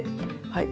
はい。